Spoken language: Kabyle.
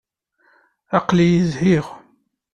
Aql-iyi zhiɣ.